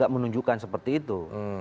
menunjukkan seperti itu